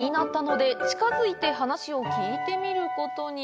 気になったので近づいて話を聞いてみることに。